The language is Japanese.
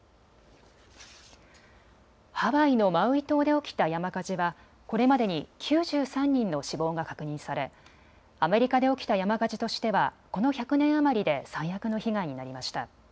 ハワイのマウイ島で起きた山火事は、これまでに９３人の死亡が確認されアメリカで起きた山火事としてはこの１００年余りで最悪の被害になりました。